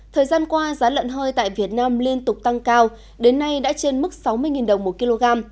thời gian qua giá lợn hơi tại việt nam liên tục tăng cao đến nay đã trên mức sáu mươi đồng một kg